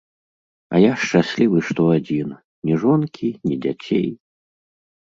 А я шчаслівы, што адзін, ні жонкі, ні дзяцей.